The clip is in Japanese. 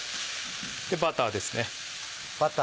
バターですね。